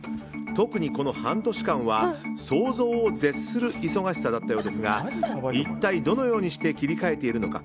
特に、この半年間は想像を絶する忙しさだったようですが一体、どのようにして切り替えているのか。